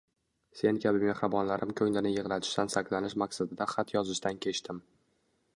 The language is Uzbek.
sen kabi mehribonlarim ko’nglini yig’latishdan saqlanish maqsadida xat yozishdan kechdim…